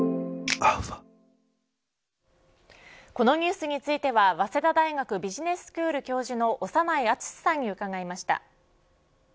このニュースについては早稲田大学ビジネススクール教授の長内厚さんに伺いました。